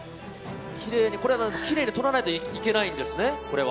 きれいに取らないといけないんですね、これは。